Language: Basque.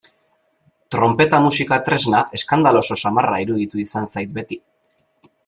Tronpeta musika tresna eskandaloso samarra iruditu izan zait beti.